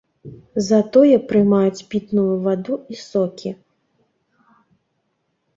Затое прымаюць пітную ваду і сокі.